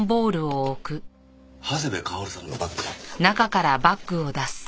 長谷部薫さんのバッグだ。